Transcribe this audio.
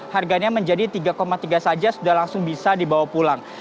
harganya menjadi tiga tiga saja sudah langsung bisa dibawa pulang